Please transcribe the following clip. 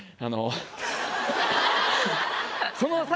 あの。